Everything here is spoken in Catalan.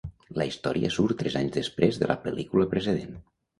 La història surt tres anys després de la pel·lícula precedent.